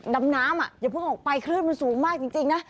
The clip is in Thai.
ดำน้ำอย่าเพิ่งออกไปคลื่นมันสูงมากจริงนะ